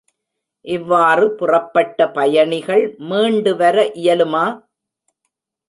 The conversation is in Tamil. இவ்வாறு புறப்பட்ட பயணிகள் மீண்டு வர இயலுமா?